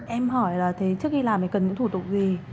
em hỏi là thế trước khi làm thì cần những thủ tục gì